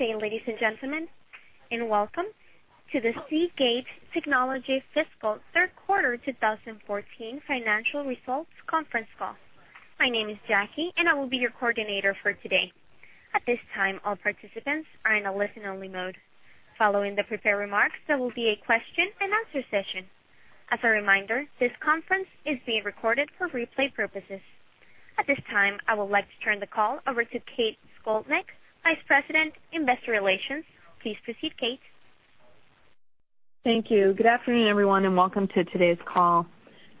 Good day, ladies and gentlemen, and welcome to the Seagate Technology fiscal third quarter 2014 financial results conference call. My name is Jackie, and I will be your coordinator for today. At this time, all participants are in a listen-only mode. Following the prepared remarks, there will be a question-and-answer session. As a reminder, this conference is being recorded for replay purposes. At this time, I would like to turn the call over to Kate Scolnick, Vice President, Investor Relations. Please proceed, Kate. Thank you. Good afternoon, everyone, and welcome to today's call.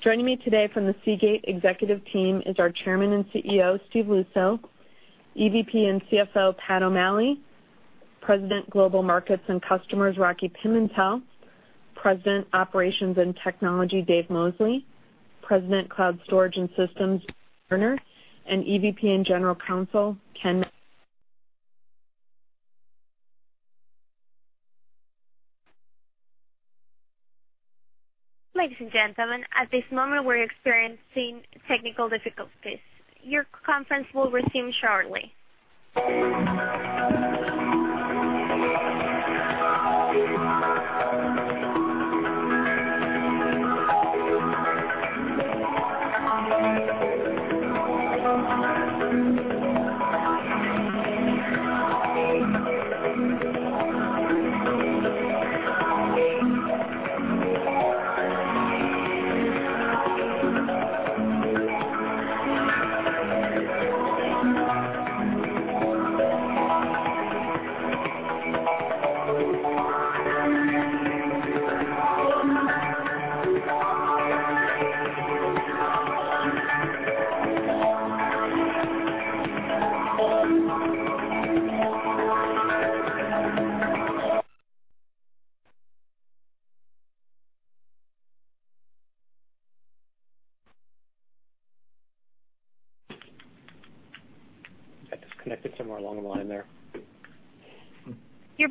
Joining me today from the Seagate executive team is our Chairman and CEO, Steve Luczo, EVP and CFO, Pat O'Malley, President, Global Markets and Customers, Rocky Pimentel, President, Operations and Technology, Dave Mosley, President, Cloud Systems and Solutions, Jamie Lerner, and EVP and General Counsel, Ken Ladies and gentlemen, at this moment, we're experiencing technical difficulties. Your conference will resume shortly.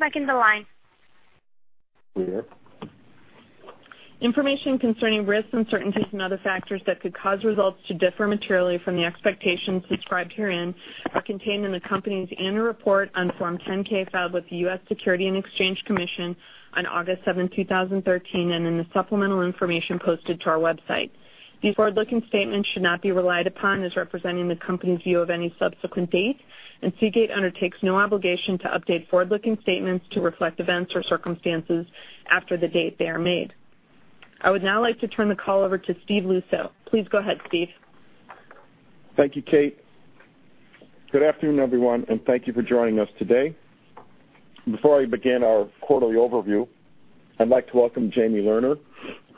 I got disconnected somewhere along the line there. You're back in the line. We're good. Information concerning risks, uncertainties, and other factors that could cause results to differ materially from the expectations described herein are contained in the company's annual report on Form 10-K filed with the U.S. Securities and Exchange Commission on August 7, 2013, and in the supplemental information posted to our website. These forward-looking statements should not be relied upon as representing the company's view of any subsequent date, and Seagate undertakes no obligation to update forward-looking statements to reflect events or circumstances after the date they are made. I would now like to turn the call over to Steve Luczo. Please go ahead, Steve. Thank you, Kate. Good afternoon, everyone, and thank you for joining us today. Before I begin our quarterly overview, I'd like to welcome Jamie Lerner,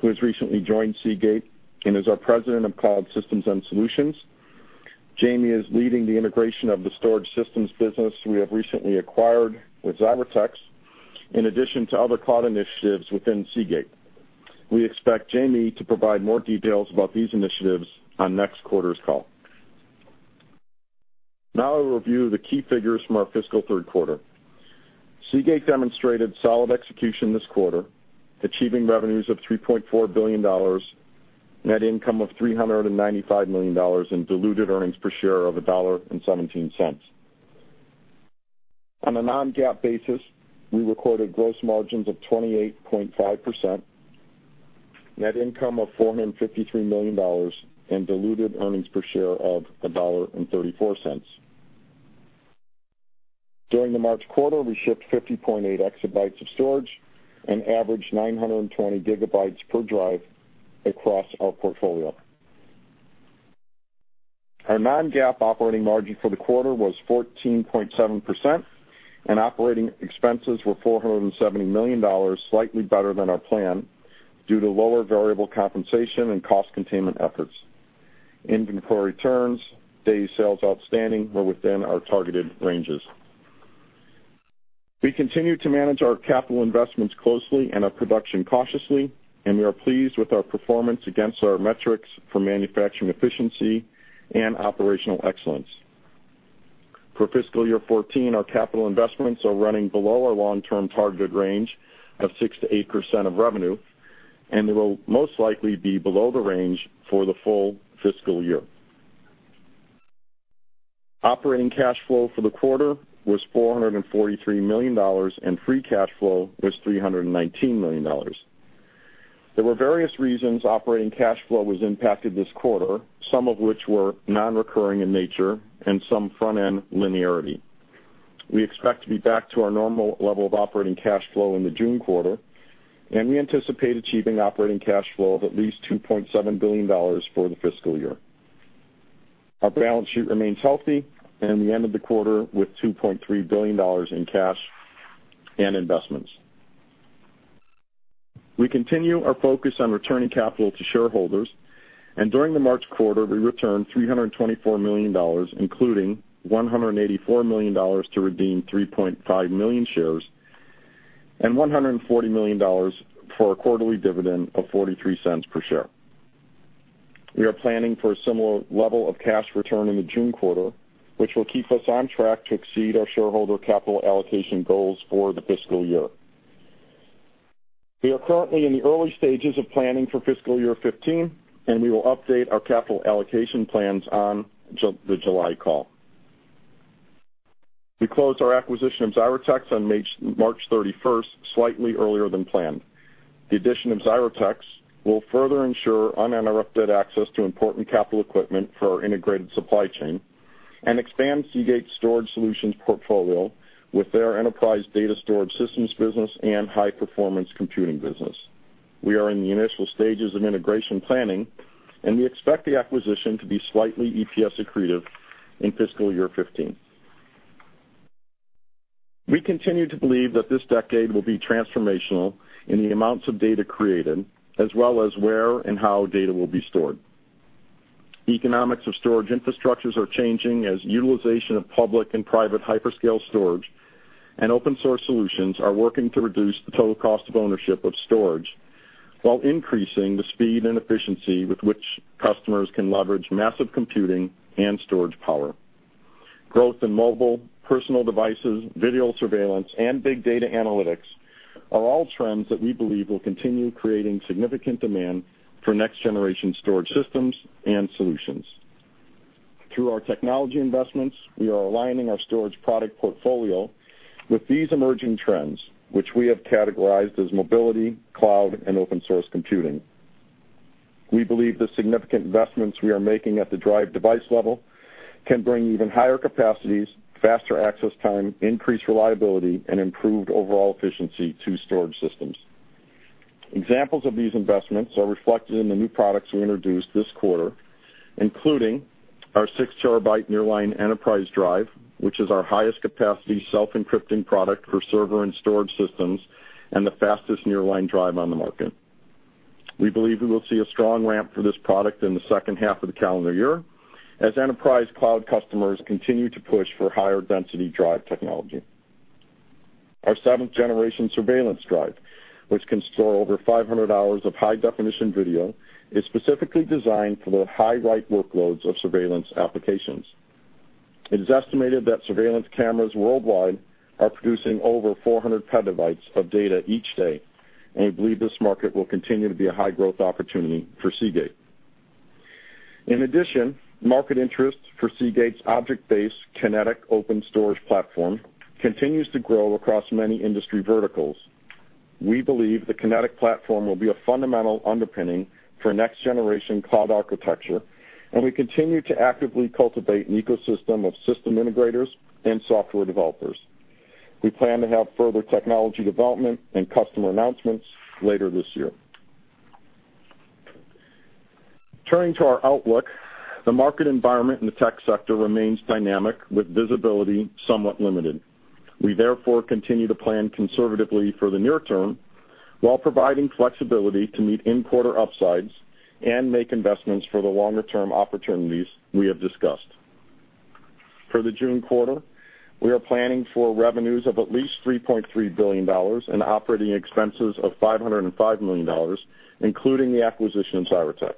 who has recently joined Seagate and is our President of Cloud Systems and Solutions. Jamie is leading the integration of the storage systems business we have recently acquired with Xyratex, in addition to other cloud initiatives within Seagate. We expect Jamie to provide more details about these initiatives on next quarter's call. Now I'll review the key figures from our fiscal third quarter. Seagate demonstrated solid execution this quarter, achieving revenues of $3.4 billion, net income of $395 million, and diluted earnings per share of $1.17. On a non-GAAP basis, we recorded gross margins of 28.5%, net income of $453 million, and diluted earnings per share of $1.34. During the March quarter, we shipped 50.8 exabytes of storage and averaged 920 gigabytes per drive across our portfolio. Our non-GAAP operating margin for the quarter was 14.7%, and operating expenses were $470 million, slightly better than our plan due to lower variable compensation and cost containment efforts. Inventory turns, day sales outstanding were within our targeted ranges. We continue to manage our capital investments closely and our production cautiously, and we are pleased with our performance against our metrics for manufacturing efficiency and operational excellence. For fiscal year 2014, our capital investments are running below our long-term targeted range of 6%-8% of revenue, and they will most likely be below the range for the full fiscal year. Operating cash flow for the quarter was $443 million, and free cash flow was $319 million. There were various reasons operating cash flow was impacted this quarter, some of which were non-recurring in nature and some front-end linearity. We expect to be back to our normal level of operating cash flow in the June quarter, and we anticipate achieving operating cash flow of at least $2.7 billion for the fiscal year. Our balance sheet remains healthy and the end of the quarter, with $2.3 billion in cash and investments. We continue our focus on returning capital to shareholders, and during the March quarter, we returned $324 million, including $184 million to redeem 3.5 million shares and $140 million for a quarterly dividend of $0.43 per share. We are planning for a similar level of cash return in the June quarter, which will keep us on track to exceed our shareholder capital allocation goals for the fiscal year. We are currently in the early stages of planning for fiscal year 2015, and we will update our capital allocation plans on the July call. We closed our acquisition of Xyratex on March 31st, slightly earlier than planned. The addition of Xyratex will further ensure uninterrupted access to important capital equipment for our integrated supply chain and expand Seagate's storage solutions portfolio with their enterprise data storage systems business and high-performance computing business. We are in the initial stages of integration planning, and we expect the acquisition to be slightly EPS accretive in fiscal year 2015. We continue to believe that this decade will be transformational in the amounts of data created, as well as where and how data will be stored. Economics of storage infrastructures are changing as utilization of public and private hyperscale storage and open source solutions are working to reduce the total cost of ownership of storage, while increasing the speed and efficiency with which customers can leverage massive computing and storage power. Growth in mobile, personal devices, video surveillance, and big data analytics are all trends that we believe will continue creating significant demand for next-generation storage systems and solutions. Through our technology investments, we are aligning our storage product portfolio with these emerging trends, which we have categorized as mobility, cloud, and open source computing. We believe the significant investments we are making at the drive device level can bring even higher capacities, faster access time, increased reliability, and improved overall efficiency to storage systems. Examples of these investments are reflected in the new products we introduced this quarter, including our six terabyte nearline enterprise drive, which is our highest capacity self-encrypting product for server and storage systems and the fastest nearline drive on the market. We believe we will see a strong ramp for this product in the second half of the calendar year, as enterprise cloud customers continue to push for higher density drive technology. Our seventh generation surveillance drive, which can store over 500 hours of high-definition video, is specifically designed for the high write workloads of surveillance applications. It is estimated that surveillance cameras worldwide are producing over 400 petabytes of data each day, and we believe this market will continue to be a high-growth opportunity for Seagate. In addition, market interest for Seagate's object-based Kinetic Open Storage platform continues to grow across many industry verticals. We believe the Kinetic platform will be a fundamental underpinning for next-generation cloud architecture. We continue to actively cultivate an ecosystem of system integrators and software developers. We plan to have further technology development and customer announcements later this year. Turning to our outlook, the market environment in the tech sector remains dynamic with visibility somewhat limited. We therefore continue to plan conservatively for the near term, while providing flexibility to meet in-quarter upsides and make investments for the longer-term opportunities we have discussed. For the June quarter, we are planning for revenues of at least $3.3 billion and operating expenses of $505 million, including the acquisition of Xyratex.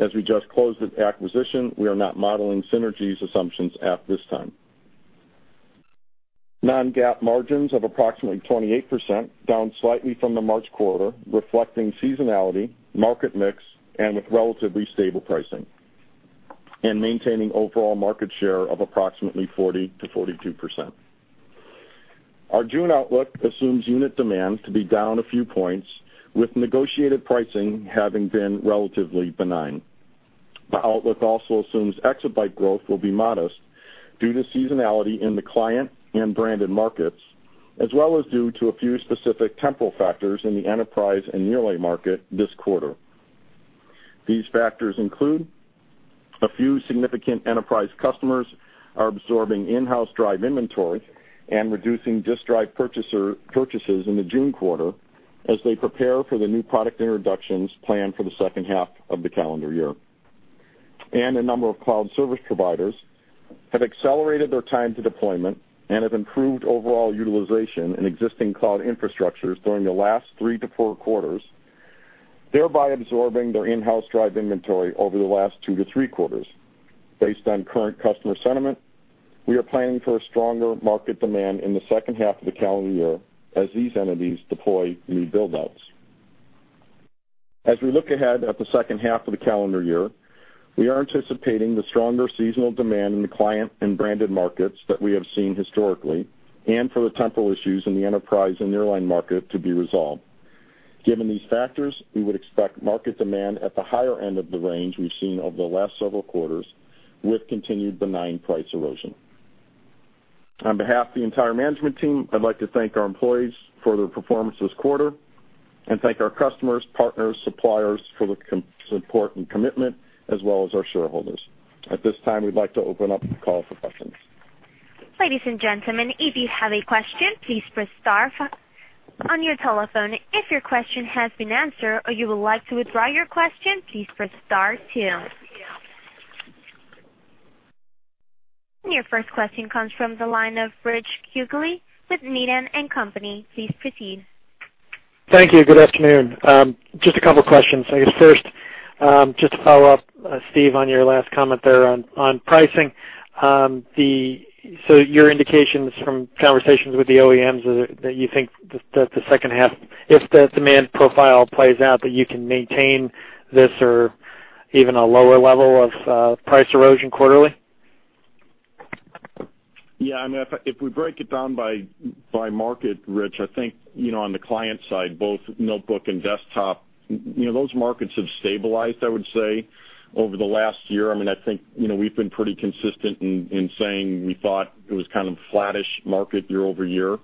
As we just closed the acquisition, we are not modeling synergies assumptions at this time. Non-GAAP margins of approximately 28%, down slightly from the March quarter, reflecting seasonality, market mix, and with relatively stable pricing, and maintaining overall market share of approximately 40%-42%. Our June outlook assumes unit demand to be down a few points, with negotiated pricing having been relatively benign. The outlook also assumes exabyte growth will be modest due to seasonality in the client and branded markets, as well as due to a few specific temporal factors in the enterprise and nearline market this quarter. These factors include a few significant enterprise customers are absorbing in-house drive inventory and reducing disk drive purchases in the June quarter as they prepare for the new product introductions planned for the second half of the calendar year. A number of cloud service providers have accelerated their time to deployment and have improved overall utilization in existing cloud infrastructures during the last three to four quarters, thereby absorbing their in-house drive inventory over the last two to three quarters. Based on current customer sentiment, we are planning for a stronger market demand in the second half of the calendar year as these entities deploy new build-outs. As we look ahead at the second half of the calendar year, we are anticipating the stronger seasonal demand in the client and branded markets that we have seen historically and for the temporal issues in the enterprise and nearline market to be resolved. Given these factors, we would expect market demand at the higher end of the range we've seen over the last several quarters, with continued benign price erosion. On behalf of the entire management team, I'd like to thank our employees for their performance this quarter and thank our customers, partners, suppliers for the support and commitment, as well as our shareholders. At this time, we'd like to open up the call for questions. Ladies and gentlemen, if you have a question, please press star on your telephone. If your question has been answered or you would like to withdraw your question, please press star two. Your first question comes from the line of Rich Kugele with Needham & Company. Please proceed. Thank you. Good afternoon. Just a couple of questions. I guess first Just to follow up, Steve, on your last comment there on pricing. Your indication is from conversations with the OEMs that you think that the second half, if the demand profile plays out, that you can maintain this or even a lower level of price erosion quarterly? Yeah. If we break it down by market, Rich, I think, on the client side, both notebook and desktop, those markets have stabilized, I would say, over the last year. I think we've been pretty consistent in saying we thought it was kind of a flattish market year-over-year,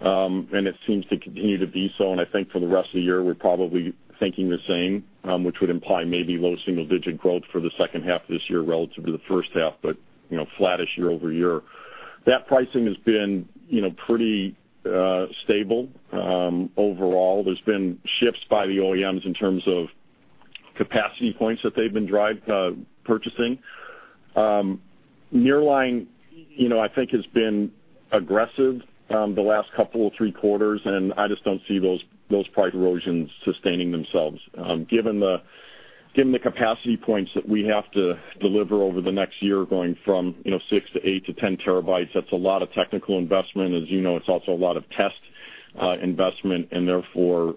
and it seems to continue to be so. I think for the rest of the year, we're probably thinking the same, which would imply maybe low single-digit growth for the second half of this year relative to the first half, but flattish year-over-year. That pricing has been pretty stable overall. There's been shifts by the OEMs in terms of capacity points that they've been purchasing. Nearline, I think, has been aggressive the last couple or three quarters, and I just don't see those price erosions sustaining themselves. Given the capacity points that we have to deliver over the next year, going from six to eight to 10 terabytes, that's a lot of technical investment. As you know, it's also a lot of test investment, and therefore,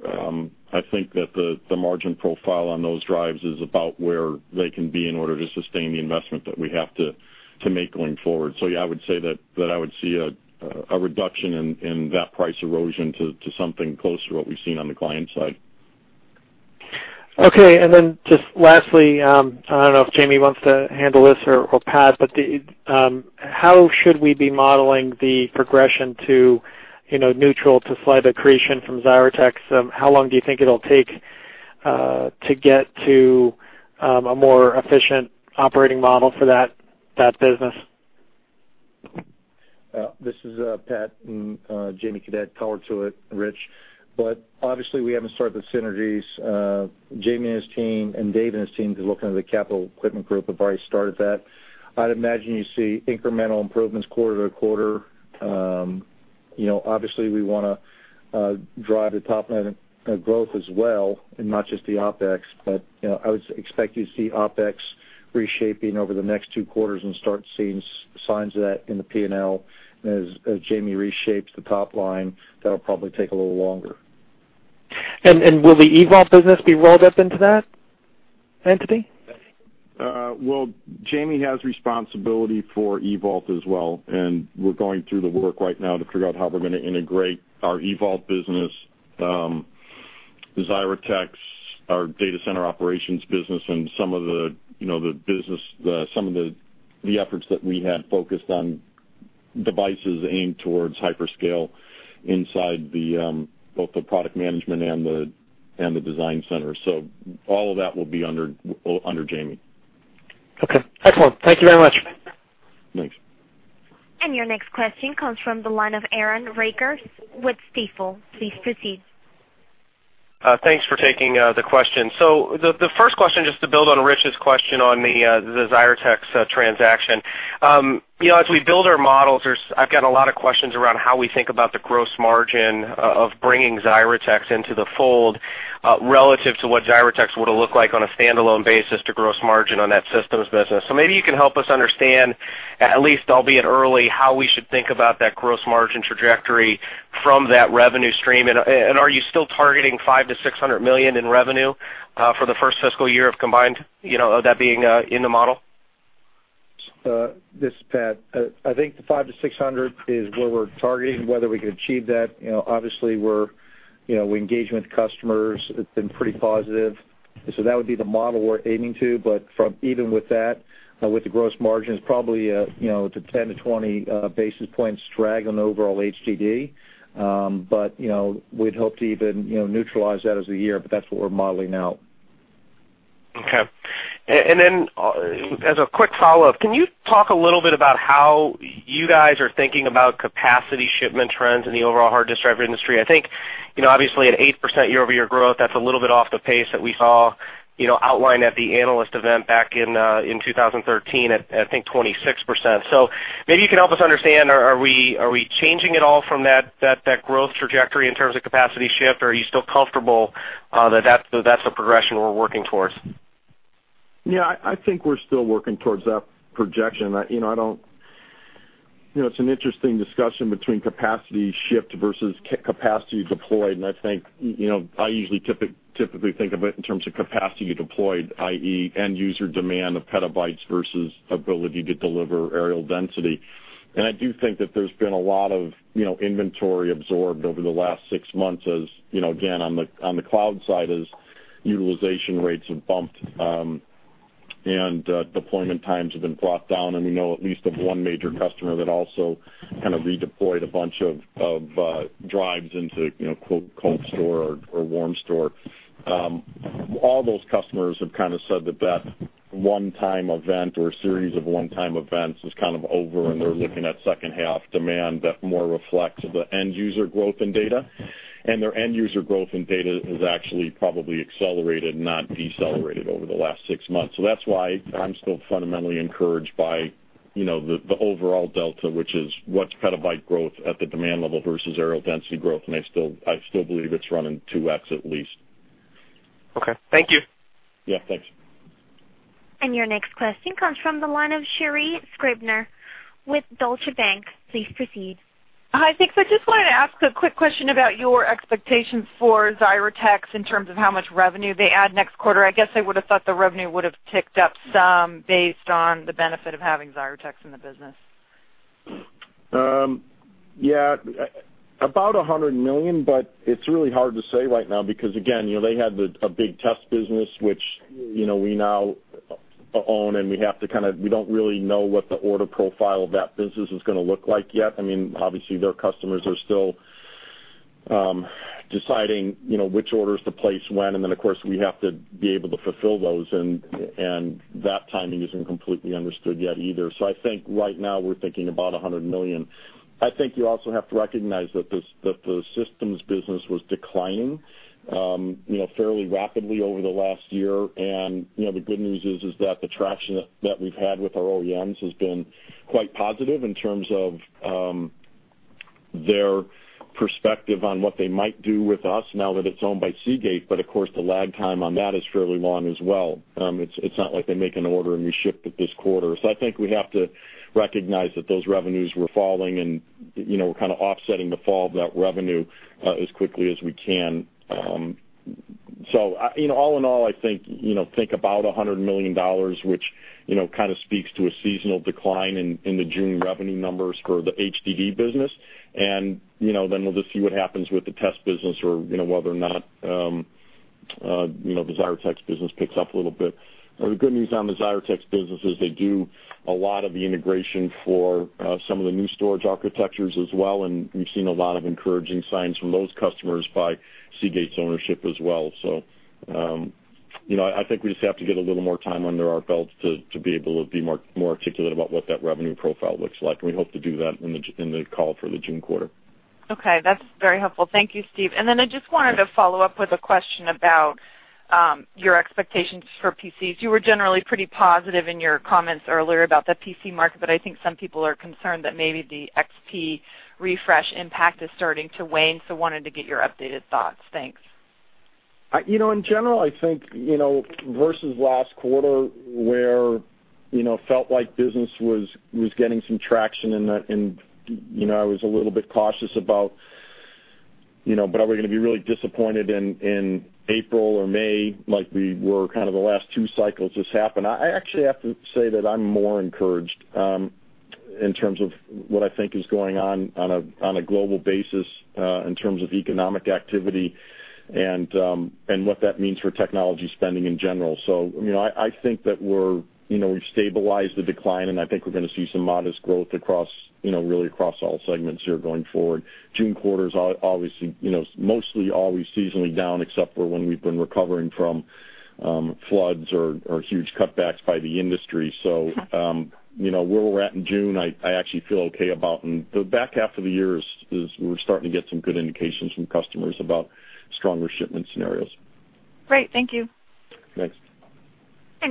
I think that the margin profile on those drives is about where they can be in order to sustain the investment that we have to make going forward. Yeah, I would say that I would see a reduction in that price erosion to something closer to what we've seen on the client side. Okay. Just lastly, I don't know if Jamie wants to handle this or Pat, but how should we be modeling the progression to neutral to slight accretion from Xyratex? How long do you think it'll take to get to a more efficient operating model for that business? This is Pat. Jamie could add color to it, Rich. Obviously, we haven't started the synergies. Jamie and his team and Dave and his team could look into the capital equipment group have already started that. I'd imagine you see incremental improvements quarter to quarter. Obviously, we want to drive the top line growth as well and not just the OpEx, but I would expect you to see OpEx reshaping over the next two quarters and start seeing signs of that in the P&L as Jamie reshapes the top line. That'll probably take a little longer. Will the EVault business be rolled up into that entity? Jamie has responsibility for EVault as well, and we're going through the work right now to figure out how we're going to integrate our EVault business, Xyratex, our data center operations business, and some of the efforts that we had focused on devices aimed towards hyperscale inside both the product management and the design center. All of that will be under Jamie. Excellent. Thank you very much. Thanks. Your next question comes from the line of Aaron Rakers with Stifel. Please proceed. Thanks for taking the question. The first question, just to build on Rich's question on the Xyratex transaction. As we build our models, I've got a lot of questions around how we think about the gross margin of bringing Xyratex into the fold relative to what Xyratex would have looked like on a standalone basis to gross margin on that systems business. Maybe you can help us understand, at least albeit early, how we should think about that gross margin trajectory from that revenue stream, and are you still targeting $500 million-$600 million in revenue for the first fiscal year of combined, that being in the model? This is Pat. I think the $500 million-$600 million is where we're targeting. Whether we can achieve that, obviously, we engage with customers, it's been pretty positive. That would be the model we're aiming to. Even with that, with the gross margins, probably it's a 10-20 basis points drag on overall HDD. We'd hope to even neutralize that as the year. That's what we're modeling out. Okay. As a quick follow-up, can you talk a little bit about how you guys are thinking about capacity shipment trends in the overall hard disk drive industry? I think, obviously at 8% year-over-year growth, that's a little bit off the pace that we saw outlined at the analyst event back in 2013 at, I think, 26%. Maybe you can help us understand, are we changing at all from that growth trajectory in terms of capacity shift, or are you still comfortable that that's the progression we're working towards? Yeah. I think we're still working towards that projection. It's an interesting discussion between capacity shift versus capacity deployed, i.e., end-user demand of petabytes versus ability to deliver areal density. I do think that there's been a lot of inventory absorbed over the last six months as, again, on the cloud side, as utilization rates have bumped, and deployment times have been brought down, and we know at least of one major customer that also kind of redeployed a bunch of drives into "cold store or warm store." All those customers have kind of said that that one-time event or series of one-time events is kind of over, and they're looking at second-half demand that more reflects the end-user growth in data. Their end-user growth in data has actually probably accelerated, not decelerated over the last six months. That's why I'm still fundamentally encouraged by the overall delta, which is what's petabyte growth at the demand level versus areal density growth, and I still believe it's running 2x at least. Okay. Thank you. Yeah, thanks. Your next question comes from the line of Sherri Scribner with Deutsche Bank. Please proceed. Hi, thanks. I just wanted to ask a quick question about your expectations for Xyratex in terms of how much revenue they add next quarter. I guess I would have thought the revenue would have ticked up some based on the benefit of having Xyratex in the business. Yeah, about $100 million. It's really hard to say right now because again, they had a big test business, which we now own, and we don't really know what the order profile of that business is going to look like yet. Obviously, their customers are still deciding which orders to place when, then, of course, we have to be able to fulfill those, and that timing isn't completely understood yet either. I think right now we're thinking about $100 million. I think you also have to recognize that the systems business was declining fairly rapidly over the last year. The good news is that the traction that we've had with our OEMs has been quite positive in terms of their perspective on what they might do with us now that it's owned by Seagate. Of course, the lag time on that is fairly long as well. It's not like they make an order, and we ship it this quarter. I think we have to recognize that those revenues were falling, and we're kind of offsetting the fall of that revenue as quickly as we can. All in all, I think about $100 million, which kind of speaks to a seasonal decline in the June revenue numbers for the HDD business. Then we'll just see what happens with the test business or whether or not the Xyratex business picks up a little bit. The good news on the Xyratex business is they do a lot of the integration for some of the new storage architectures as well, and we've seen a lot of encouraging signs from those customers by Seagate's ownership as well. I think we just have to get a little more time under our belts to be able to be more articulate about what that revenue profile looks like, and we hope to do that in the call for the June quarter. Okay. That's very helpful. Thank you, Steve. I just wanted to follow up with a question about your expectations for PCs. You were generally pretty positive in your comments earlier about the PC market, but I think some people are concerned that maybe the XP refresh impact is starting to wane, so wanted to get your updated thoughts. Thanks. In general, I think, versus last quarter, where it felt like business was getting some traction, and I was a little bit cautious about are we going to be really disappointed in April or May like we were kind of the last two cycles this happened. I actually have to say that I'm more encouraged in terms of what I think is going on a global basis in terms of economic activity and what that means for technology spending in general. I think that we've stabilized the decline, and I think we're going to see some modest growth really across all segments here going forward. June quarter is mostly always seasonally down except for when we've been recovering from floods or huge cutbacks by the industry. Where we're at in June, I actually feel okay about, and the back half of the year is we're starting to get some good indications from customers about stronger shipment scenarios. Great. Thank you. Thanks.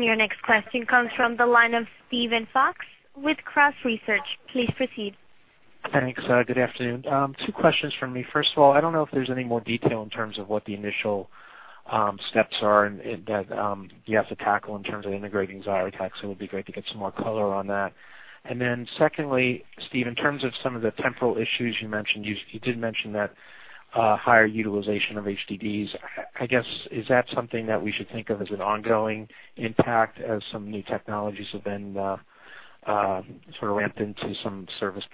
Your next question comes from the line of Steven Fox with Cross Research. Please proceed. Thanks. Good afternoon. Two questions from me. First of all, I don't know if there's any more detail in terms of what the initial steps are that you have to tackle in terms of integrating Xyratex, it'll be great to get some more color on that. Secondly, Steve, in terms of some of the temporal issues you mentioned, you did mention that higher utilization of HDDs. I guess is that something that we should think of as an ongoing impact as some new technologies have been sort of ramped into some service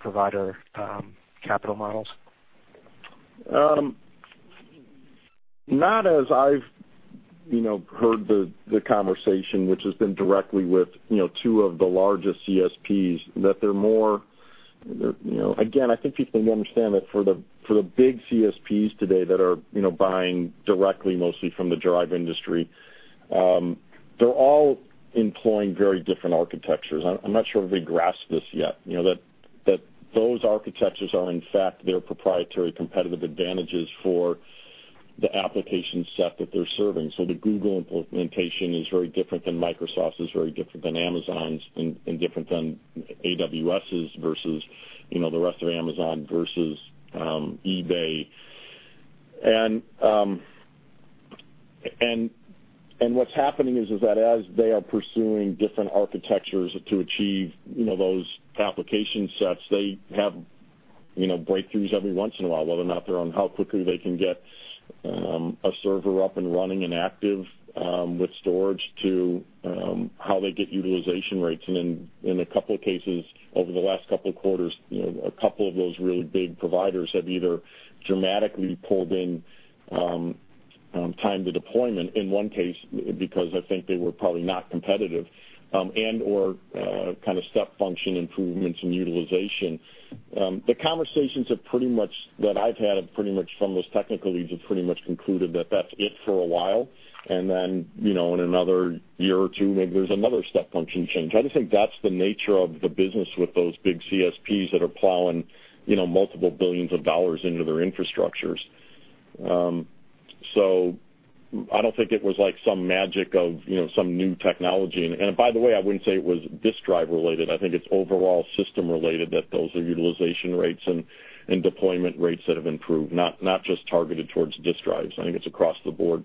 provider capital models? Not as I've heard the conversation, which has been directly with two of the largest CSPs. Again, I think people need to understand that for the big CSPs today that are buying directly mostly from the drive industry, they're all employing very different architectures. I'm not sure everybody grasps this yet, that those architectures are in fact their proprietary competitive advantages for the application set that they're serving. The Google implementation is very different than Microsoft's, is very different than Amazon's, and different than AWS' versus the rest of Amazon versus eBay. What's happening is that as they are pursuing different architectures to achieve those application sets, they have breakthroughs every once in a while, whether or not they're on how quickly they can get a server up and running and active with storage to how they get utilization rates. In a couple of cases over the last couple of quarters, a couple of those really big providers have either dramatically pulled in time to deployment, in one case, because I think they were probably not competitive, and/or kind of step function improvements in utilization. The conversations that I've had pretty much from those technical leads have pretty much concluded that that's it for a while, then in another year or two, maybe there's another step function change. I just think that's the nature of the business with those big CSPs that are plowing multiple billions of dollars into their infrastructures. I don't think it was some magic of some new technology. By the way, I wouldn't say it was disk drive related. I think it's overall system related that those are utilization rates and deployment rates that have improved, not just targeted towards disk drives. I think it's across the board.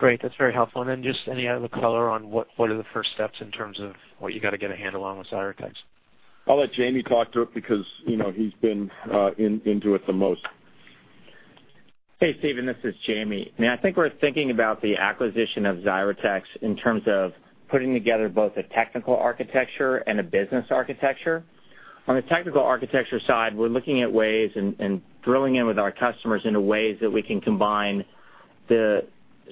Great. That's very helpful. Then just any other color on what are the first steps in terms of what you got to get a handle on with Xyratex? I'll let Jamie talk to it because he's been into it the most. Hey, Steve, this is Jamie. I think we're thinking about the acquisition of Xyratex in terms of putting together both a technical architecture and a business architecture. On the technical architecture side, we're looking at ways and drilling in with our customers into ways that we can combine the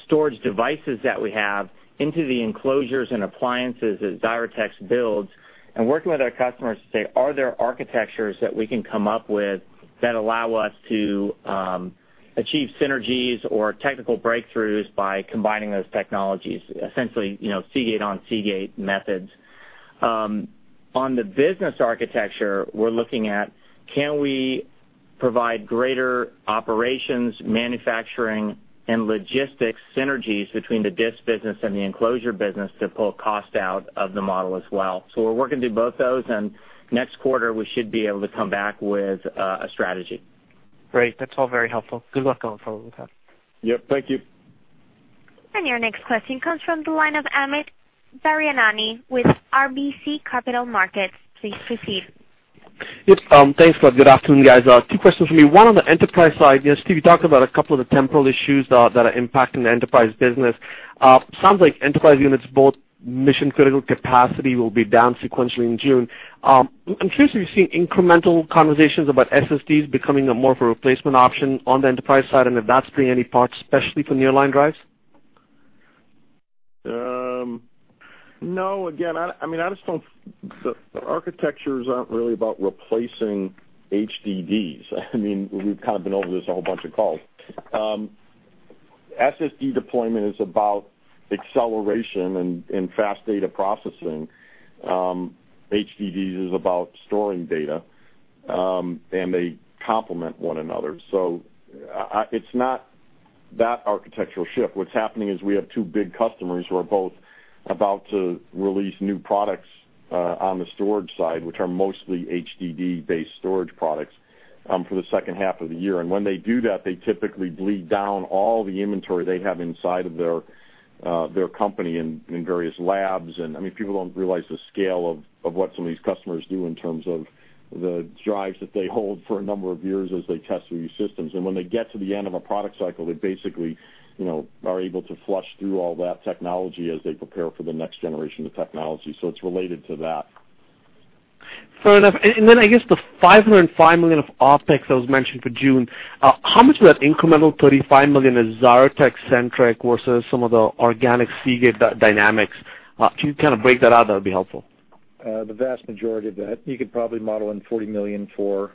storage devices that we have into the enclosures and appliances that Xyratex builds and working with our customers to say, are there architectures that we can come up with that allow us to achieve synergies or technical breakthroughs by combining those technologies? Essentially, Seagate on Seagate methods. On the business architecture, we're looking at can we provide greater operations, manufacturing, and logistics synergies between the disk business and the enclosure business to pull cost out of the model as well. We're working through both those, and next quarter, we should be able to come back with a strategy. Great. That's all very helpful. Good luck going forward with that. Yep. Thank you. Your next question comes from the line of Amit Daryanani with RBC Capital Markets. Please proceed. Yep, thanks a lot. Good afternoon, guys. Two questions for me. One on the enterprise side, Steve, you talked about a couple of the temporal issues that are impacting the enterprise business. Sounds like enterprise units, both mission-critical capacity will be down sequentially in June. I'm curious if you're seeing incremental conversations about SSDs becoming a more of a replacement option on the enterprise side, and if that's playing any part, especially from the nearline drives. No, again, the architectures aren't really about replacing HDDs. We've kind of been over this a whole bunch of calls. SSD deployment is about acceleration and fast data processing. HDDs is about storing data, and they complement one another. It's not that architectural shift. What's happening is we have two big customers who are both about to release new products on the storage side, which are mostly HDD-based storage products for the second half of the year. When they do that, they typically bleed down all the inventory they have inside of their company in various labs. People don't realize the scale of what some of these customers do in terms of the drives that they hold for a number of years as they test these systems. When they get to the end of a product cycle, they basically are able to flush through all that technology as they prepare for the next generation of technology. It's related to that. Fair enough. Then I guess the $505 million of OpEx that was mentioned for June, how much of that incremental $35 million is Xyratex centric versus some of the organic Seagate dynamics? If you break that out, that would be helpful. The vast majority of that, you could probably model in $40 million for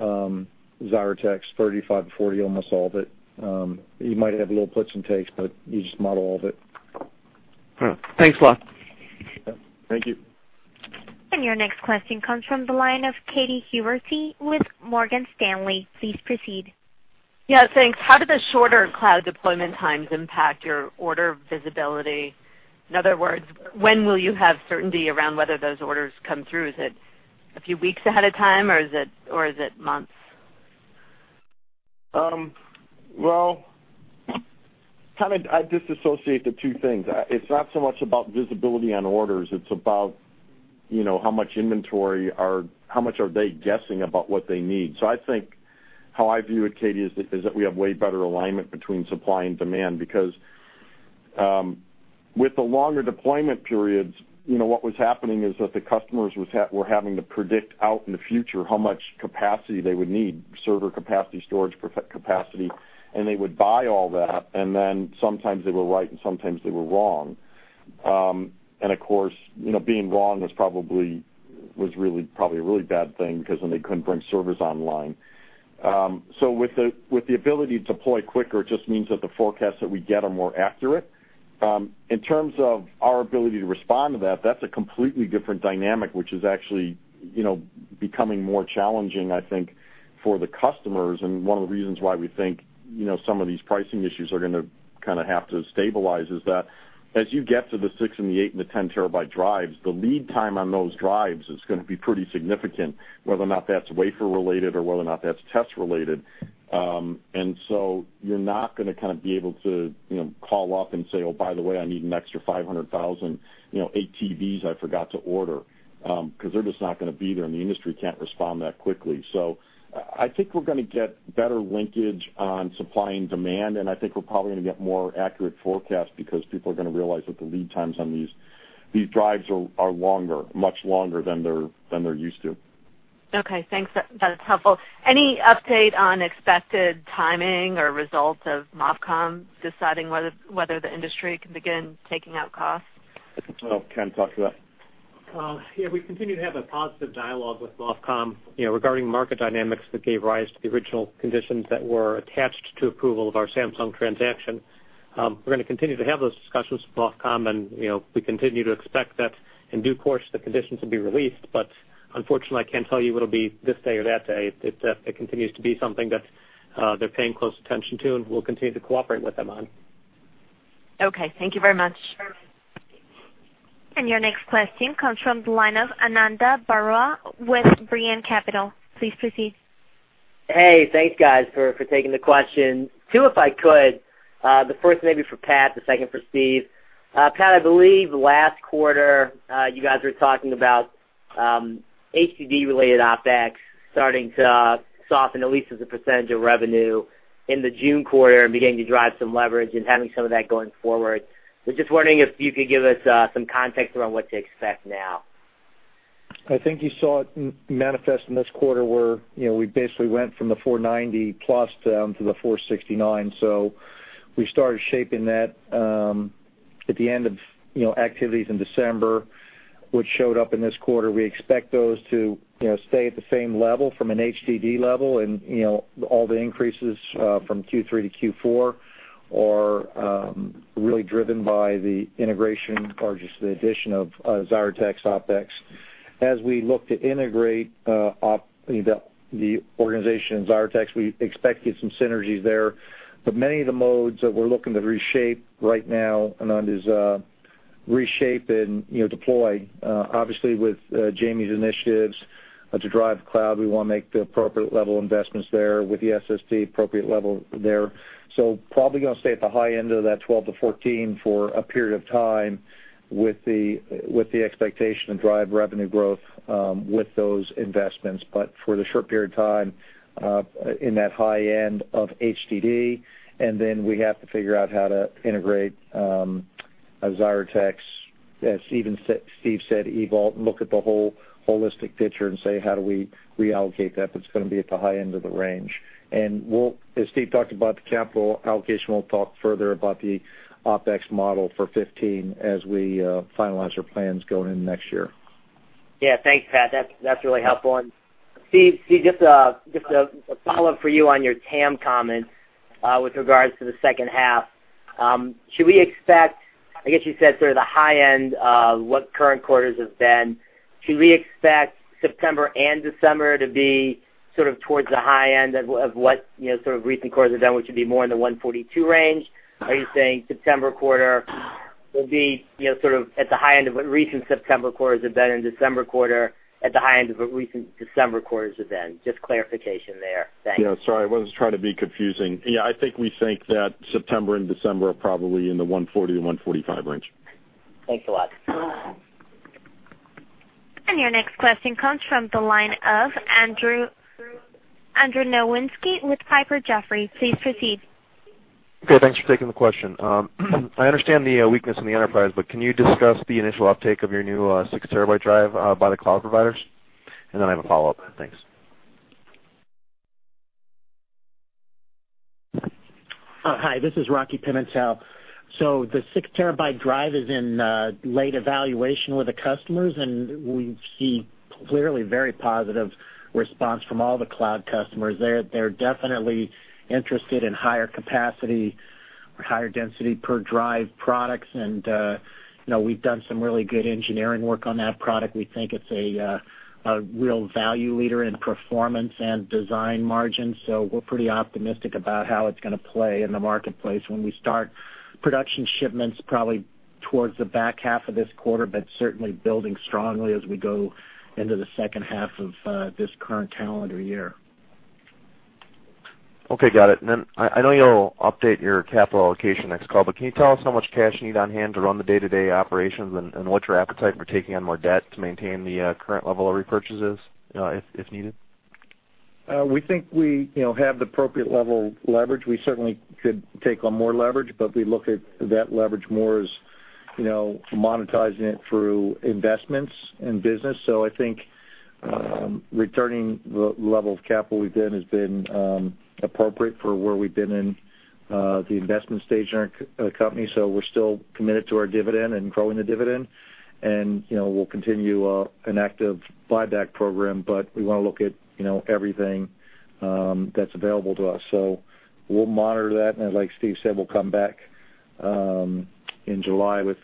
Xyratex, $35 million-$40 million, almost all of it. You might have little puts and takes, but you just model all of it. All right. Thanks a lot. Yeah. Thank you. Your next question comes from the line of Katy Huberty with Morgan Stanley. Please proceed. Yeah, thanks. How do the shorter cloud deployment times impact your order visibility? In other words, when will you have certainty around whether those orders come through? Is it a few weeks ahead of time, or is it months? I disassociate the two things. It's not so much about visibility on orders. It's about how much are they guessing about what they need. I think how I view it, Katy, is that we have way better alignment between supply and demand, because with the longer deployment periods, what was happening is that the customers were having to predict out in the future how much capacity they would need, server capacity, storage capacity, and they would buy all that, and then sometimes they were right, and sometimes they were wrong. Of course, being wrong was probably a really bad thing because then they couldn't bring servers online. With the ability to deploy quicker, it just means that the forecasts that we get are more accurate. In terms of our ability to respond to that's a completely different dynamic, which is actually becoming more challenging, I think, for the customers. One of the reasons why we think some of these pricing issues are going to kind of have to stabilize is that as you get to the six and the eight and the 10 terabyte drives, the lead time on those drives is going to be pretty significant, whether or not that's wafer related or whether or not that's test related. You're not going to be able to call up and say, "Oh, by the way, I need an extra 500,000 ATBs I forgot to order" because they're just not going to be there, and the industry can't respond that quickly. I think we're going to get better linkage on supply and demand, and I think we're probably going to get more accurate forecasts because people are going to realize that the lead times on these drives are longer, much longer than they're used to. Okay, thanks. That's helpful. Any update on expected timing or results of MOFCOM deciding whether the industry can begin taking out costs? Ken talk to that. Yeah, we continue to have a positive dialogue with MOFCOM regarding market dynamics that gave rise to the original conditions that were attached to approval of our Samsung transaction. We're going to continue to have those discussions with MOFCOM. We continue to expect that in due course, the conditions will be released. Unfortunately, I can't tell you it'll be this day or that day. It continues to be something that they're paying close attention to, we'll continue to cooperate with them on. Okay. Thank you very much. Your next question comes from the line of Ananda Baruah with Brean Capital. Please proceed. Hey, thanks guys for taking the question. Two, if I could. The first maybe for Pat, the second for Steve. Pat, I believe last quarter, you guys were talking about HDD-related OpEx starting to soften at least as a percentage of revenue in the June quarter and beginning to drive some leverage and having some of that going forward. Was just wondering if you could give us some context around what to expect now. I think you saw it manifest in this quarter where we basically went from the $490+ down to the $469. We started shaping that at the end of activities in December, which showed up in this quarter. We expect those to stay at the same level from an HDD level and all the increases from Q3 to Q4 are really driven by the integration or just the addition of Xyratex OpEx. As we look to integrate the organization in Xyratex, we expect to get some synergies there. Many of the modes that we're looking to reshape right now, Ananda, is reshape and deploy. Obviously, with Jamie's initiatives to drive cloud, we want to make the appropriate level investments there with the SSD appropriate level there. Probably going to stay at the high end of that 12%-14% for a period of time with the expectation to drive revenue growth with those investments. For the short period of time, in that high end of HDD, then we have to figure out how to integrate Xyratex, as Steve said, EVault, look at the whole holistic picture and say, how do we reallocate that? That's going to be at the high end of the range. As Steve talked about the capital allocation, we'll talk further about the OpEx model for 2015 as we finalize our plans going into next year. Yeah, thanks, Pat. That's really helpful. Steve, just a follow-up for you on your TAM comment with regards to the second half. I guess you said sort of the high end of what current quarters have been. Should we expect September and December to be sort of towards the high end of what recent quarters have done, which would be more in the 142 range? Are you saying September quarter will be sort of at the high end of what recent September quarters have been and December quarter at the high end of what recent December quarters have been? Just clarification there. Thanks. Yeah, sorry. I wasn't trying to be confusing. Yeah, I think we think that September and December are probably in the 140-145 range. Thanks a lot. Your next question comes from the line of Andrew Nowinski with Piper Jaffray. Please proceed. Okay, thanks for taking the question. I understand the weakness in the enterprise, but can you discuss the initial uptake of your new 6-terabyte drive by the cloud providers? I have a follow-up. Thanks. Hi, this is Albert Pimentel. The 6-terabyte drive is in late evaluation with the customers, and we see clearly very positive response from all the cloud customers. They're definitely interested in higher capacity or higher density per drive products, and we've done some really good engineering work on that product. We think it's a real value leader in performance and design margins, so we're pretty optimistic about how it's going to play in the marketplace when we start production shipments probably towards the back half of this quarter, but certainly building strongly as we go into the second half of this current calendar year. Okay, got it. I know you'll update your capital allocation next call, but can you tell us how much cash you need on hand to run the day-to-day operations and what's your appetite for taking on more debt to maintain the current level of repurchases if needed? We think we have the appropriate level of leverage. We certainly could take on more leverage, but we look at that leverage more as monetizing it through investments in business. I think returning the level of capital we've been has been appropriate for where we've been in the investment stage in our company. We're still committed to our dividend and growing the dividend, and we'll continue an active buyback program, but we want to look at everything that's available to us. We'll monitor that, and like Steve said, we'll come back in July with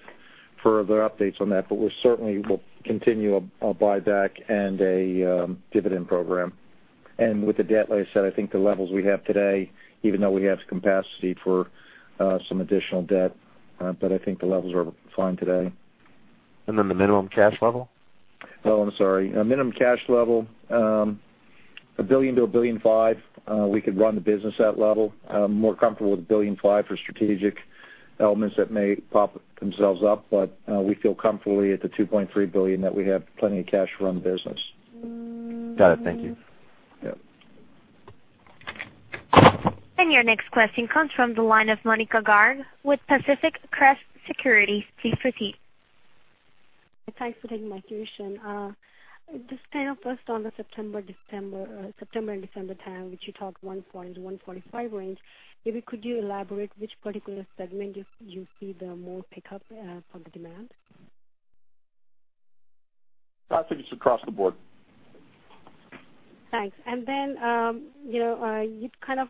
further updates on that. We certainly will continue a buyback and a dividend program. With the debt, like I said, I think the levels we have today, even though we have the capacity for some additional debt, but I think the levels are fine today. The minimum cash level? Oh, I'm sorry. Minimum cash level, $1 billion to $1.5 billion. We could run the business at level. More comfortable with $1.5 billion for strategic elements that may pop themselves up, but we feel comfortably at the $2.3 billion that we have plenty of cash to run the business. Got it. Thank you. Yep. Your next question comes from the line of Monika Garg with Pacific Crest Securities. Please proceed. Thanks for taking my question. Just kind of first on the September and December TAM, which you talked 140-145 range, maybe could you elaborate which particular segment you see the more pickup for the demand? I think it's across the board. Thanks. Then, you kind of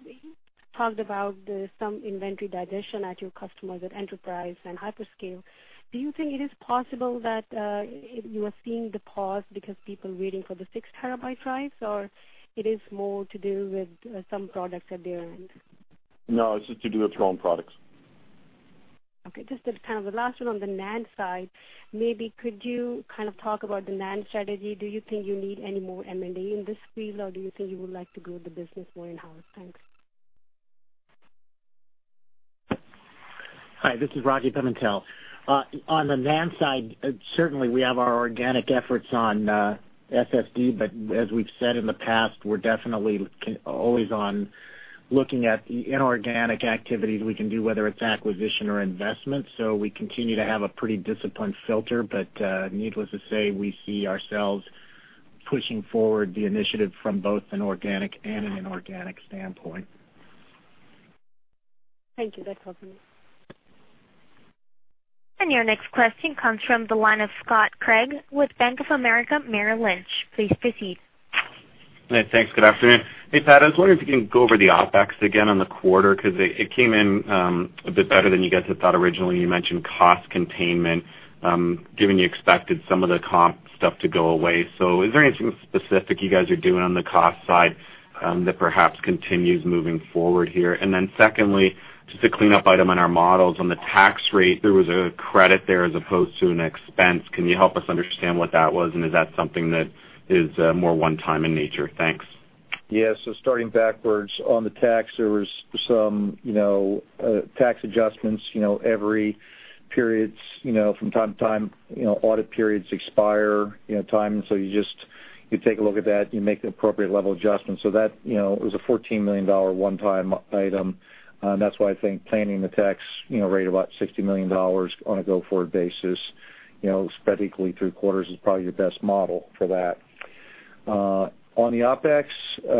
talked about some inventory digestion at your customers at enterprise and hyperscale. Do you think it is possible that you are seeing the pause because people are waiting for the six terabyte drives, or it is more to do with some products at their end? No, it's just to do with our own products. Okay. Just kind of the last one on the NAND side, maybe could you talk about the NAND strategy? Do you think you need any more M&A in this space, or do you think you would like to grow the business more in-house? Thanks. Hi, this is Rocky Pimentel. On the NAND side, certainly we have our organic efforts on SSD, as we've said in the past, we're definitely always on looking at inorganic activities we can do, whether it's acquisition or investment. We continue to have a pretty disciplined filter. Needless to say, we see ourselves pushing forward the initiative from both an organic and an inorganic standpoint. Thank you. That helps me. Your next question comes from the line of Scott Craig with Bank of America Merrill Lynch. Please proceed. Hey, thanks. Good afternoon. Hey, Pat, I was wondering if you can go over the OpEx again on the quarter because it came in a bit better than you guys had thought originally. You mentioned cost containment, given you expected some of the comp stuff to go away. Is there anything specific you guys are doing on the cost side that perhaps continues moving forward here? Secondly, just a cleanup item on our models. On the tax rate, there was a credit there as opposed to an expense. Can you help us understand what that was, and is that something that is more one time in nature? Thanks. Yeah. Starting backwards on the tax, there was some tax adjustments, every periods from time to time, audit periods expire, time. You take a look at that, you make the appropriate level adjustments. That was a $14 million one-time item, and that's why I think planning the tax rate about $60 million on a go-forward basis, spread equally through quarters is probably your best model for that. On the OpEx,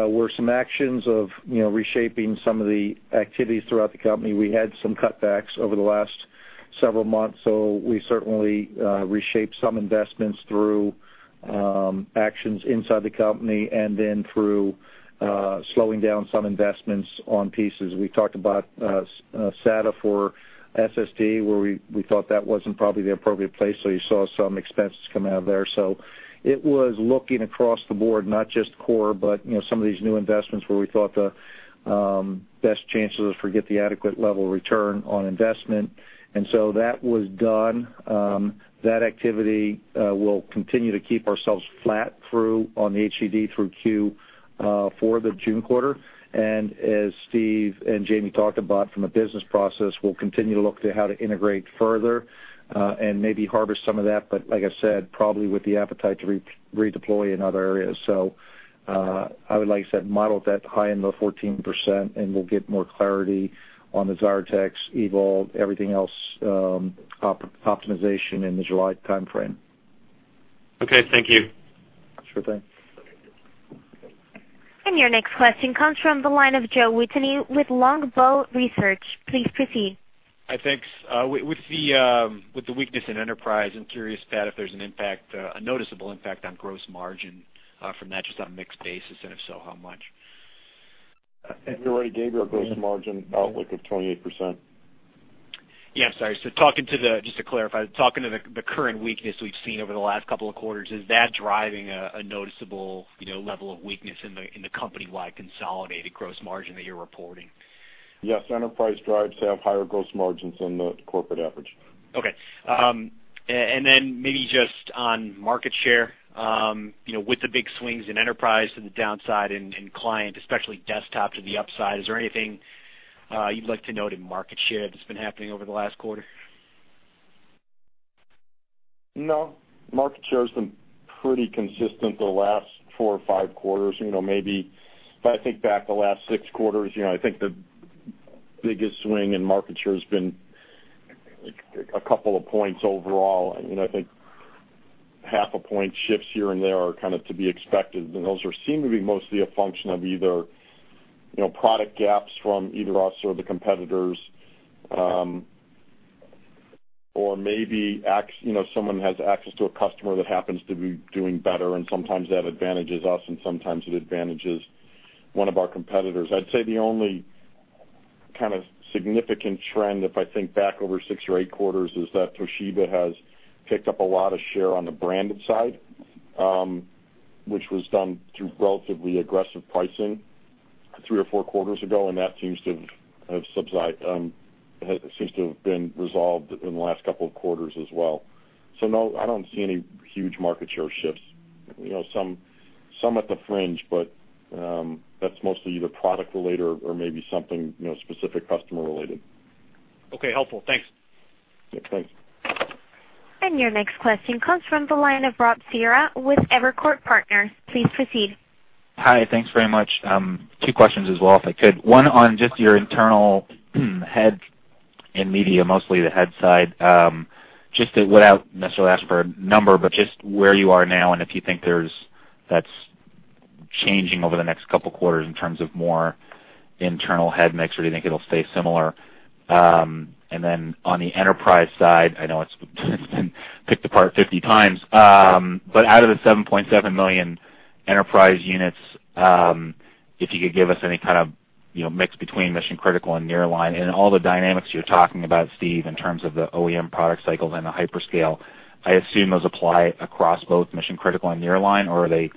were some actions of reshaping some of the activities throughout the company. We had some cutbacks over the last several months, so we certainly reshaped some investments through actions inside the company and then through slowing down some investments on pieces. We talked about SATA for SSD, where we thought that wasn't probably the appropriate place, so you saw some expenses come out of there. It was looking across the board, not just core, but some of these new investments where we thought the best chances for get the adequate level return on investment. That was done. That activity will continue to keep ourselves flat through on the HDD through Q for the June quarter. As Steve and Jamie talked about from a business process, we'll continue to look to how to integrate further, and maybe harvest some of that, but like I said, probably with the appetite to redeploy in other areas. I would, like I said, model that high end of 14%, and we'll get more clarity on the Xyratex, EVault, everything else optimization in the July timeframe. Okay, thank you. Sure thing. Your next question comes from the line of Joe Wittine with Longbow Research. Please proceed. Hi, thanks. With the weakness in enterprise, I'm curious, Pat, if there's an impact, a noticeable impact on gross margin from that, just on a mixed basis, and if so, how much? You're right, gave you our gross margin outlook of 28%. Yeah, I'm sorry. Just to clarify, talking to the current weakness we've seen over the last couple of quarters, is that driving a noticeable level of weakness in the company-wide consolidated gross margin that you're reporting? Yes. Enterprise drives to have higher gross margins than the corporate average. Okay. Then maybe just on market share, with the big swings in enterprise to the downside and client, especially desktops at the upside, is there anything you'd like to note in market share that's been happening over the last quarter? No. Market share has been pretty consistent the last four or five quarters. If I think back the last six quarters, I think the biggest swing in market share has been a couple of points overall, and I think half a point shifts here and there are kind of to be expected, and those seem to be mostly a function of either product gaps from either us or the competitors, or maybe someone has access to a customer that happens to be doing better, and sometimes that advantages us and sometimes it advantages one of our competitors. I'd say the only kind of significant trend, if I think back over six or eight quarters, is that Toshiba has picked up a lot of share on the branded side, which was done through relatively aggressive pricing three or four quarters ago, and that seems to have been resolved in the last couple of quarters as well. No, I don't see any huge market share shifts. Some at the fringe, but that's mostly either product related or maybe something specific customer related. Okay, helpful. Thanks. Yeah, thanks. Your next question comes from the line of Rob Cihra with Evercore Partners. Please proceed. Hi. Thanks very much. Two questions as well, if I could. One on just your internal head and media, mostly the head side. Just without necessarily asking for a number, but just where you are now, and if you think that's changing over the next couple quarters in terms of more internal head mix? Or do you think it'll stay similar? On the enterprise side, I know it's been picked apart 50 times, but out of the 7.7 million enterprise units, if you could give us any kind of mix between mission-critical and nearline. All the dynamics you're talking about, Steve, in terms of the OEM product cycles and the hyperscale, I assume those apply across both mission-critical and nearline, or are they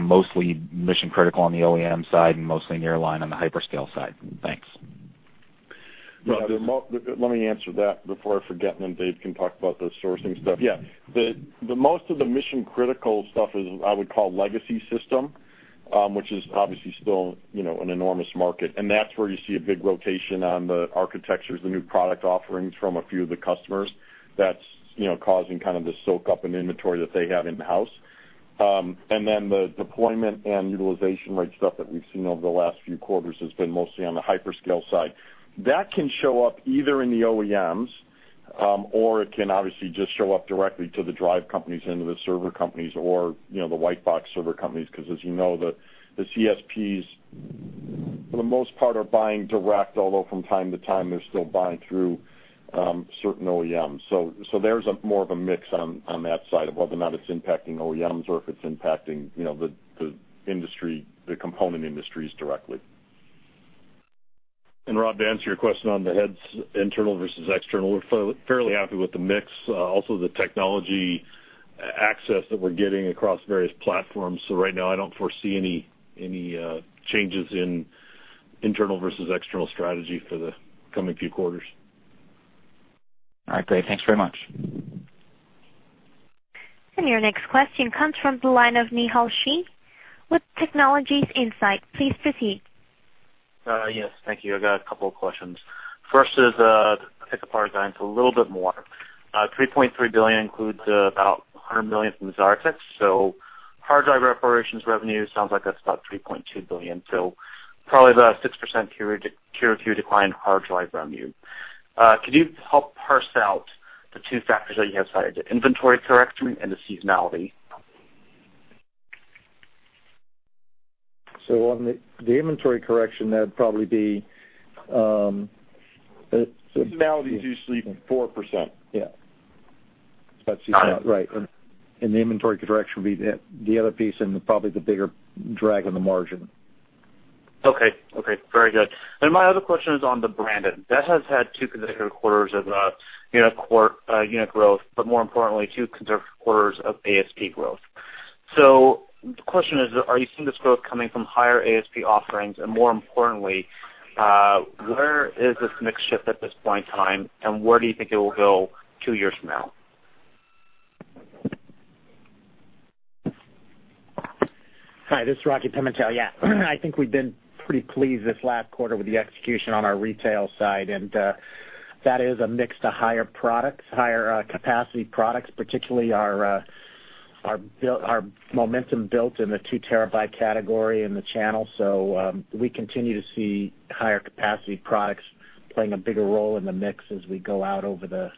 mostly mission-critical on the OEM side and mostly nearline on the hyperscale side? Thanks. Rob, let me answer that before I forget, then Dave can talk about the sourcing stuff. Yeah. Most of the mission-critical stuff is I would call legacy system, which is obviously still an enormous market, and that's where you see a big rotation on the architectures, the new product offerings from a few of the customers that's causing the soak up in inventory that they have in-house. The deployment and utilization rate stuff that we've seen over the last few quarters has been mostly on the hyperscale side. That can show up either in the OEMs or it can obviously just show up directly to the drive companies and to the server companies or the white box server companies. As you know, the CSPs for the most part are buying direct, although from time to time, they're still buying through certain OEMs. There's more of a mix on that side of whether or not it's impacting OEMs or if it's impacting the component industries directly. Rob, to answer your question on the heads, internal versus external, we're fairly happy with the mix, also the technology access that we're getting across various platforms. Right now, I don't foresee any changes in internal versus external strategy for the coming few quarters. All right, Dave. Thanks very much. Your next question comes from the line of Nihal Sheth with Technologies Insight. Please proceed. Yes. Thank you. I got a couple of questions. First is, to pick apart guidance a little bit more. $3.3 billion includes about $100 million from the Xyratex. Hard drive operations revenue sounds like that's about $3.2 billion. Probably about a 6% quarter-to-quarter decline in hard drive revenue. Can you help parse out the two factors that you have cited, the inventory correction and the seasonality? On the inventory correction, that'd probably be- Seasonality is usually 4%. Yeah. That's seasonality. Right. The inventory correction would be the other piece and probably the bigger drag on the margin. Okay. Very good. My other question is on the branded. That has had two consecutive quarters of unit growth, but more importantly, two consecutive quarters of ASP growth. The question is, are you seeing this growth coming from higher ASP offerings? More importantly, where is this mix shift at this point in time, and where do you think it will go two years from now? Hi, this is Albert Pimentel. Yeah. I think we've been pretty pleased this last quarter with the execution on our retail side, and that is a mix to higher products, higher capacity products, particularly our momentum built in the two terabyte category in the channel. We continue to see higher capacity products playing a bigger role in the mix as we go out over the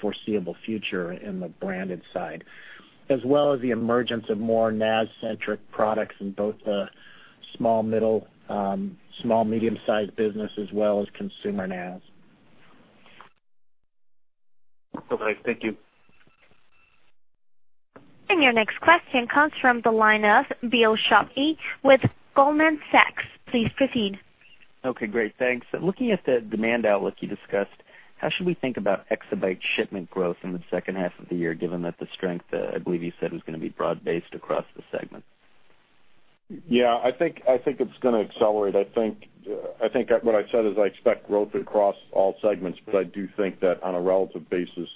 foreseeable future in the branded side, as well as the emergence of more NAS-centric products in both the small, medium-sized business as well as consumer NAS. Okay, thank you. Your next question comes from the line of Bill Shope with Goldman Sachs. Please proceed. Okay, great. Thanks. Looking at the demand outlook you discussed, how should we think about exabyte shipment growth in the second half of the year, given that the strength, I believe you said, was going to be broad-based across the segment? Yeah, I think it's going to accelerate. I think what I said is I expect growth across all segments, but I do think that on a relative basis,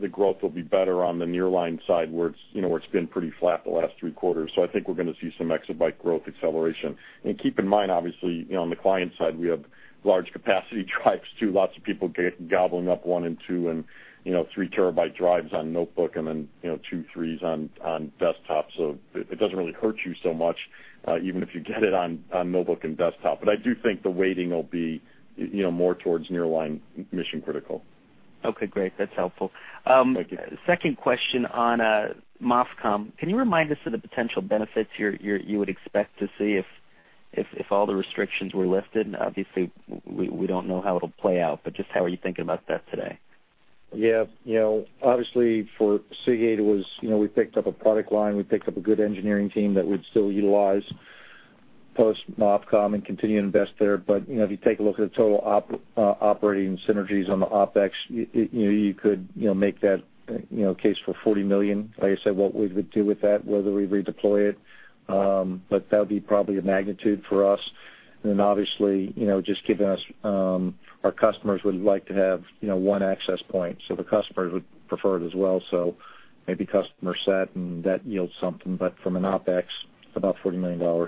the growth will be better on the nearline side, where it's been pretty flat the last three quarters. I think we're going to see some exabyte growth acceleration. Keep in mind, obviously, on the client side, we have large capacity drives too. Lots of people gobbling up one and two and three terabyte drives on notebook and then two threes on desktop. It doesn't really hurt you so much, even if you get it on notebook and desktop. I do think the weighting will be more towards nearline mission-critical. Okay, great. That's helpful. Thank you. Second question on MOFCOM. Can you remind us of the potential benefits you would expect to see if all the restrictions were lifted? Obviously, we don't know how it'll play out, but just how are you thinking about that today? Yeah. Obviously for Seagate, we picked up a product line, we picked up a good engineering team that we'd still utilize post-MOFCOM and continue to invest there. If you take a look at the total operating synergies on the OpEx, you could make that case for $40 million. Like I said, what we would do with that, whether we redeploy it, but that would be probably a magnitude for us. Obviously, just given our customers would like to have one access point, so the customers would prefer it as well. Maybe customer set and that yields something, but from an OpEx, about $40 million.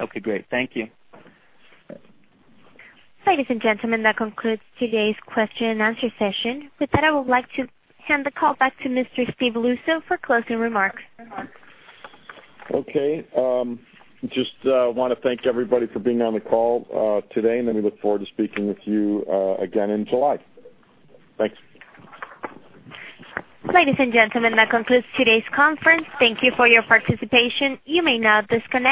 Okay, great. Thank you. Yep. Ladies and gentlemen, that concludes today's question and answer session. With that, I would like to hand the call back to Mr. Steve Luczo for closing remarks. Okay. Just want to thank everybody for being on the call today, and then we look forward to speaking with you again in July. Thanks. Ladies and gentlemen, that concludes today's conference. Thank you for your participation. You may now disconnect.